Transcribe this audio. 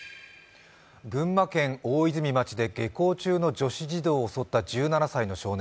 群馬県大泉町で下校中の女子児童を襲った１７歳の少年。